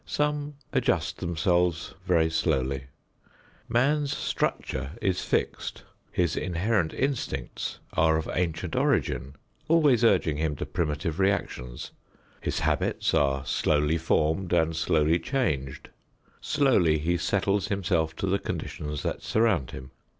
Some adjust themselves very slowly. Man's structure is fixed; his inherent instincts are of ancient origin, always urging him to primitive reactions; his habits are slowly formed and slowly changed. Slowly he settles himself to the conditions that surround him.